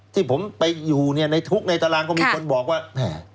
ที่ผมไปอยู่ในทุกข์ในตารางก็มีคนบอกว่าแหม